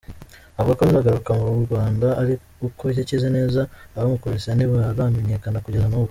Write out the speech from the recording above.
Avuga ko azagaruka mu Rwanda ari uko yakize neza; abamukubise ntibaramenyekana kugeza n’ubu.